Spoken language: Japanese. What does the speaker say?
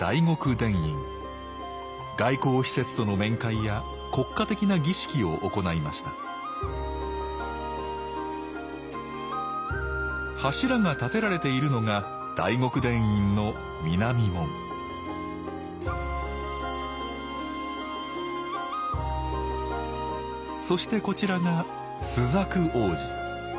外交使節との面会や国家的な儀式を行いました柱が立てられているのが大極殿院の南門そしてこちらが朱雀大路。